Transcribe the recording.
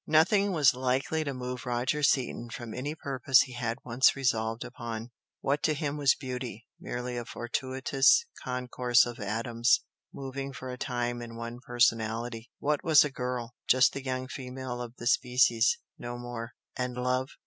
Nothing was likely to move Roger Seaton from any purpose he had once resolved upon. What to him was beauty? Merely a "fortuitous concourse of atoms" moving for a time in one personality. What was a girl? Just the young "female of the species" no more. And love?